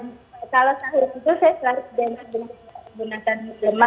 jadi hari ini yang muncul adalah soto ayam